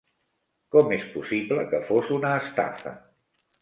Com es possible que fos una estafa?